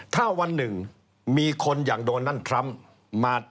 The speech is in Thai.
ถ้าวันหนึ่งมีคนอย่างโดนัลด์ทรัมป์